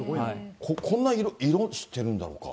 こんな色してるんだろうか。